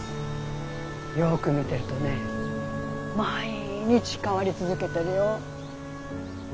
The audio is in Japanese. よく見てるとね毎日変わり続けてるよ。